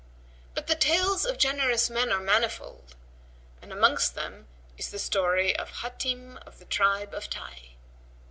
But the tales of generous men are manifold and amongst them is the story of HATIM OF THE TRIBE OF TAYY.